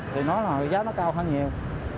thì giá nó cao hơn nhiều